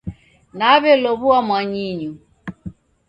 Naw'elow'ua mwanyinyu.